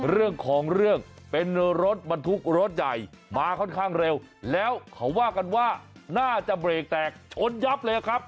เรื่องของเรื่องเป็นรถบรรทุกรถใหญ่มาค่อนข้างเร็วแล้วเขาว่ากันว่าน่าจะเบรกแตกชนยับเลยครับ